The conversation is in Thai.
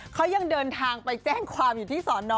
เขายังเดินทางไปแจ้งความอยู่ที่สอนอ